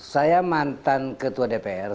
saya mantan ketua dpr